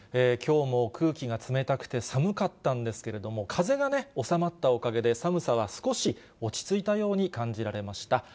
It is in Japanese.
きょうも空気が冷たくて寒かったんですけれども、風が収まったおかげで、寒さは少し落ち着いたように感じられました。